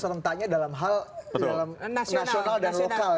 serentaknya dalam hal nasional dan lokal